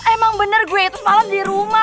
emang bener gue itu semalam di rumah